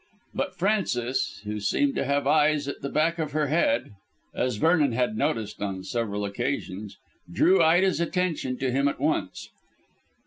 But Frances, who seemed to have eyes at the back of her head as Vernon had noticed on several occasions drew Ida's attention to him at once.